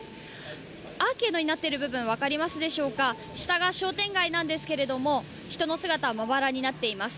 アーケードになっている部分、下が商店街なんですけれども、人の姿はまばらになっています。